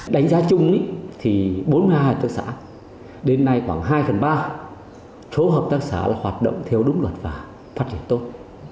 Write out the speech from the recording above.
đánh giá chung thì bốn mươi hai hợp tác xã đến nay khoảng hai phần ba số hợp tác xã là hoạt động theo đúng luật và phát triển tốt